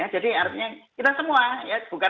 artinya kita semua ya bukan